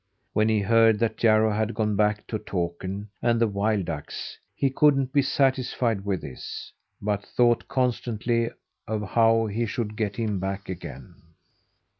When he heard that Jarro had gone back to Takern and the wild ducks, he couldn't be satisfied with this, but thought constantly of how he should get him back again.